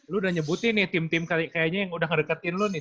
lu udah nyebutin nih tim tim kayaknya yang udah ngedekatin lo nih